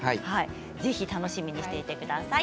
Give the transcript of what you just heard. ぜひ楽しみにしていてください。